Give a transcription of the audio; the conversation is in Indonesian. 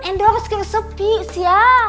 endorse kayak sepis ya